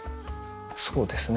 そうですね。